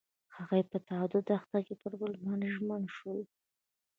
هغوی په تاوده دښته کې پر بل باندې ژمن شول.